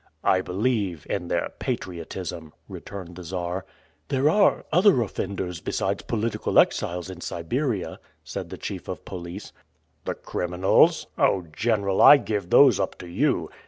"I believe in their patriotism," returned the Czar. "There are other offenders besides political exiles in Siberia," said the chief of police. "The criminals? Oh, General, I give those up to you!